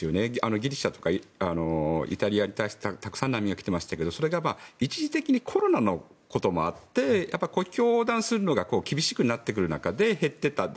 ギリシャとかイタリアに対してたくさん難民が来ていましたがそれが一時的にコロナのこともあって国境を脱するのが大変難しくなって減っていった。